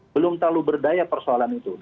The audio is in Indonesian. belum terlalu berdaya persoalan itu